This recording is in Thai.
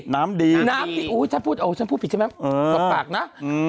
น้ำดีน้ำดีอุ้ยฉันพูดโอ้ยฉันพูดผิดใช่ไหมเออสดปากนะอืม